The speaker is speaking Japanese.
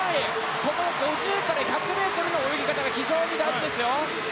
５０から１００ｍの泳ぎ方が大事ですよ。